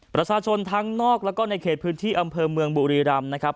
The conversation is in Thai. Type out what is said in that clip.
ประชาชนทั้งนอกแล้วก็ในเขตพื้นที่อำเภอเมืองบุรีรำนะครับ